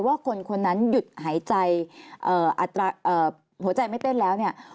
ว่าคนนั้นหยุดหายใจหัวใจไม่เป็นแล้ว